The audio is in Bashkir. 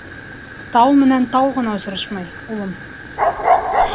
Тау менән тау ғына осрашмай, улым...